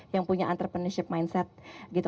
yang punya entrepreneurship mindset